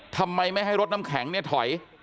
ทำไมไม่ให้รถน้ำแข็งเนี่ยถอย